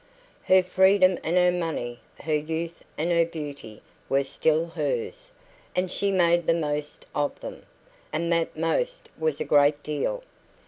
Her freedom and her money, her youth and her beauty, were still hers, and she made the most of them; and that most was a great deal.